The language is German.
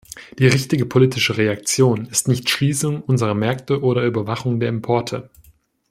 Die richtige politische Reaktion ist nicht Schließung unserer Märkte oder Überwachung der Importe.